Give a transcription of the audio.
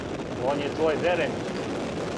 Он је твој вереник.